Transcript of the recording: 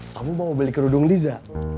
kamu mau beli kerudung liza